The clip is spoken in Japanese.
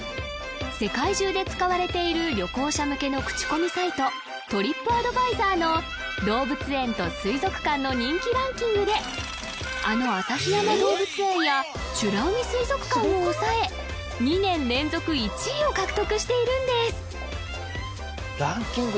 世界中で使われている旅行者向けの口コミサイトトリップアドバイザーの動物園と水族館の人気ランキングであの旭山動物園や美ら海水族館を抑え２年連続１位を獲得しているんですランキング